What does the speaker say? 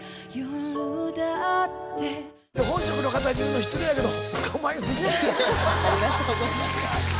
本職の方に言うの失礼やけどありがとうございます。